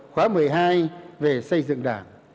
khóa một mươi hai về xây dựng đảng